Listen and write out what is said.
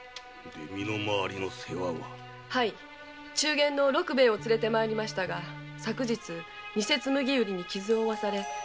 中間の六兵衛を連れて参りましたが昨日ニセの紬売りに傷を負わされて今「め組」に。